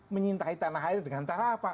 menyintai tanah air dengan cara apa